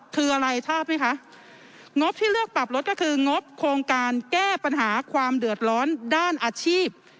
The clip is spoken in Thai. คืออะไรทราบไหมคะงบที่เลือกปรับลดก็คืองบโครงการแก้ปัญหาความเดือดร้อนด้านอาชีพ